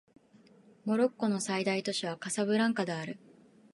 モロッコの最大都市はカサブランカである